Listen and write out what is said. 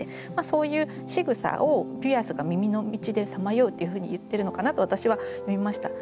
そういうしぐさを「ピアスが耳の道で彷徨う」っていうふうに言ってるのかなと私は読みました。